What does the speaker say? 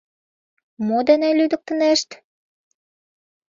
Мо дене лӱдыктынешт?!